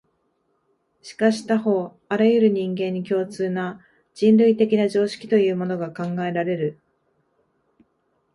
しかし他方、あらゆる人間に共通な、人類的な常識というものが考えられる。